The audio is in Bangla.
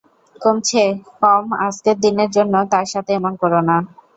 কমছে কম আজকের দিনের জন্য তার সাথে এমন করো না।